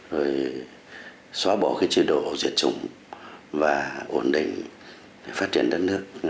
rồi xóa bỏ cái chế độ diệt chủng và ổn định để phát triển đất nước